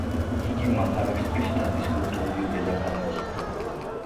იგი მაჰარაშტრის შტატის კულტურული დედაქალაქია.